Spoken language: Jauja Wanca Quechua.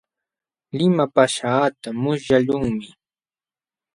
Limapaaśhqaata musyaqlunmi.